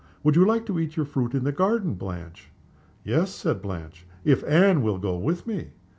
"Would you like to eat your fruit in the garden, Blanche?" "Yes," said Blanche, "if Anne will go with me."